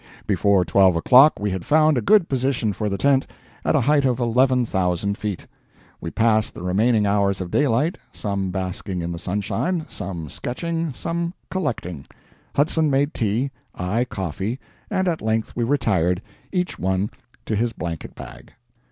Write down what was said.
Before twelve o'clock we had found a good position for the tent, at a height of eleven thousand feet. We passed the remaining hours of daylight some basking in the sunshine, some sketching, some collecting; Hudson made tea, I coffee, and at length we retired, each one to his blanket bag.